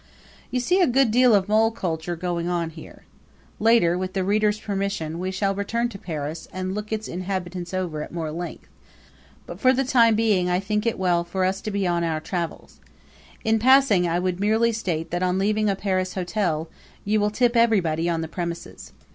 You see a good deal of mole culture going on here. Later, with the reader's permission, we shall return to Paris and look its inhabitants over at more length; but for the time being I think it well for us to be on our travels. In passing I would merely state that on leaving a Paris hotel you will tip everybody on the premises.